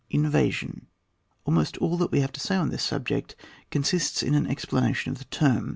INVASION. Almost all that we have to say on this subject consists in an explanation of the term.